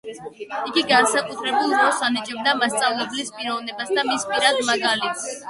იგი განსაკუთრებულ როლს ანიჭებდა მასწავლებლის პიროვნებას და მის პირად მაგალითს.